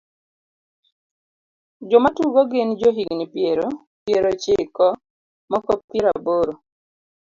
Joma tugo gin jo higni piero piero ochiko moko piero aboro.